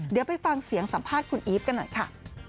เดี๋ยวไปฟังเสียงสัมภาษณ์คุณอีฟกันหน่อยค่ะ